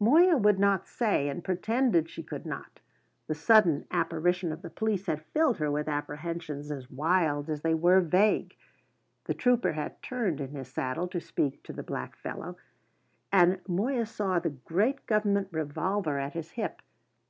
Moya would not say, and pretended she could not. The sudden apparition of the police had filled her with apprehensions as wild as they were vague. The trooper had turned in his saddle to speak to the blackfellow, and Moya saw the great Government revolver at his hip.